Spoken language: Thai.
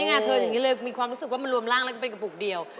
เธออย่างนี้เลยมีความรู้สึกว่ามันรวมร่างแล้วก็เป็นกระปุกเดียว